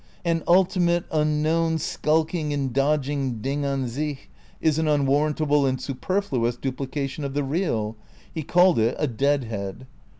An ulti mate, unknown, skulking and dodging Ding cm sich is an unwarrantable and superfluous duplication of the real ; he called it a dead head.